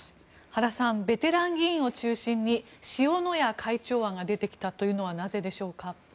原さんベテラン議員を中心に塩谷会長案が出てきたというのはなぜでしょうか。